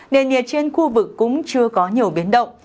nền nhiệt trên khu vực cũng chưa có nhiều biến động